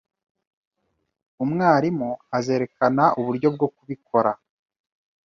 Umwarimu azerekana uburyo bwo kubikora.